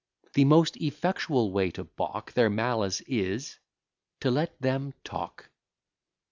The most effectual way to balk Their malice, is to let them talk.